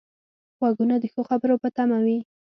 غوږونه د ښو خبرو په تمه وي